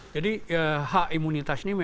jadi hak imunitas ini memang